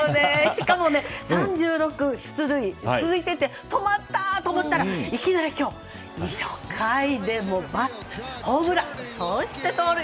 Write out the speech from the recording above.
しかも、３６出塁が続いていて止まった！と思ったらいきなり今日初回でホームラン、そして盗塁。